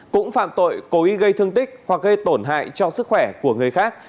cũng phạm tội cố ý gây thương tích hoặc gây tổn hại cho sức khỏe của người khác